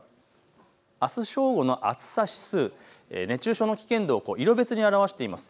あす正午の暑さ指数、熱中症の危険度を色別に表しています。